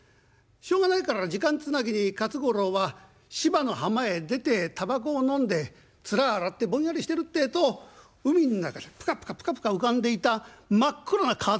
しょうがないから時間つなぎに勝五郎は芝の浜へ出てたばこをのんで面洗ってぼんやりしてるってえと海の中でプカプカプカプカ浮かんでいた真っ黒な革財布